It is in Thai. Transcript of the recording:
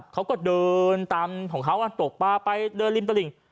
เขาก็เดินตามของเขาตกปลาไปเดินริมตลิ่ง